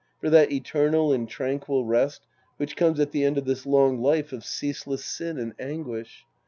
For that eternal and tranquil rest which comes at the end of this long life of ceaseless sin and anguish